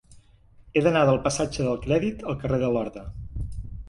He d'anar del passatge del Crèdit al carrer de Lorda.